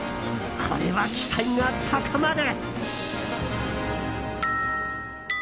これは期待が高まる！